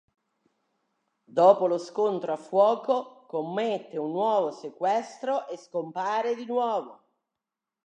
Dopo lo scontro a fuoco, commette un nuovo sequestro e scompare di nuovo.